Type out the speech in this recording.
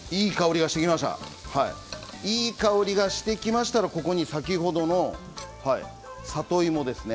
いい香りがしてきましたら先ほどの里芋ですね